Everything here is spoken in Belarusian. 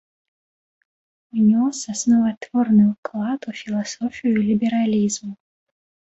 Унёс асноватворны ўклад у філасофію лібералізму.